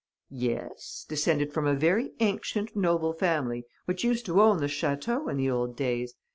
"'Yes, descended from a very ancient, noble family which used to own the château in the old days.